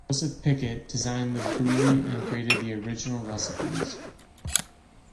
Joseph Pickett designed the brewery and created the original recipes.